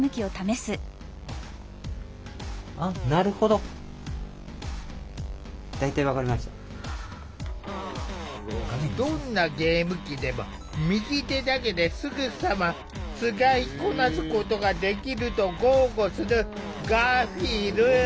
どんなゲーム機でも右手だけですぐさま使いこなすことができると豪語するガーフィール。